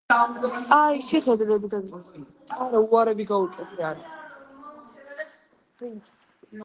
კორუმპირებული პოლიციელები, ქუჩური დაჯგუფებები, უსიამოვნებები, ძარცვა და სხვა ფაქტორების დაძლევა უწევთ მათ.